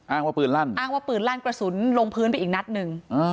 ว่าปืนลั่นอ้างว่าปืนลั่นกระสุนลงพื้นไปอีกนัดหนึ่ง